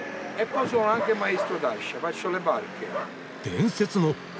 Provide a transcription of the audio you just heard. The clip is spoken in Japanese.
「伝説の」！